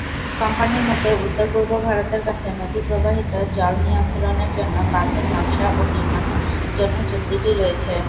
কোম্পানির মতে, উত্তর-পূর্ব ভারতের কাছে নদী প্রবাহিত জল নিয়ন্ত্রণের জন্য বাঁধের নকশা ও নির্মাণের জন্য চুক্তিটি রয়েছে।